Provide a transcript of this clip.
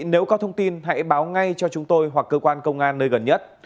nếu có thông tin hãy báo ngay cho chúng tôi hoặc cơ quan công an nơi gần nhất